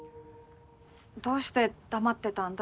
どうして黙ってたんだ？